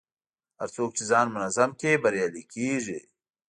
هر څوک چې ځان منظم کړي، بریالی کېږي.